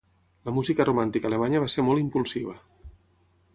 La música romàntica alemanya va ser molt impulsiva.